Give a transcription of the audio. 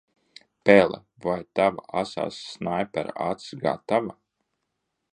Pele, vai tava asā snaipera acs gatava?